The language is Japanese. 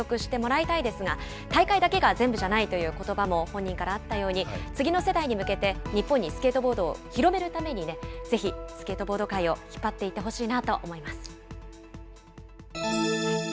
堀米選手にはね、ぜひパリオリンピックの出場権を獲得してもらいたいですが、大会だけが全部じゃないということばも本人からあったように、次の世代に向けて日本にスケートボードを広めるために、ぜひスケートボード界を引っ張っていってほしいなと思います。